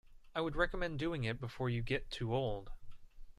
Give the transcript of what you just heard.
I would recommend doing it before you get too old.